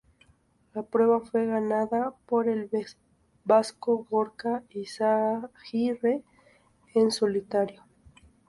La prueba fue ganada por el vasco Gorka Izagirre en solitario.